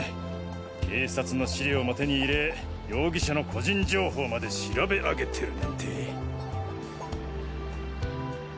警察の資料も手に入れ容疑者の個人情報まで調べ上げてるなんて。